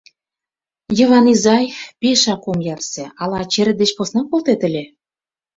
«Йыван изай, пешак ом ярсе, ала черет деч посна колтет ыле?»